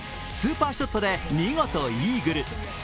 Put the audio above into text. スーパーショットで見事イーグル。